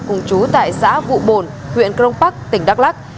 cùng chú tại xã vụ bồn huyện crong park tỉnh đắk lắc